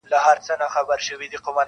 • پر کور د انارګل به د زاغانو غوغا نه وي -